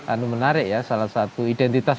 anu menarik ya salah satu identitas